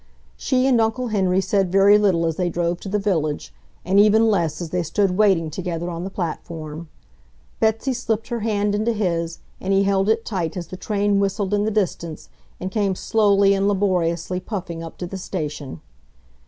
She and Uncle Henry said very little as they drove to the village, and even less as they stood waiting together on the platform. Betsy slipped her hand into his and he held it tight as the train whistled in the distance and came slowly and laboriously puffing up to the station.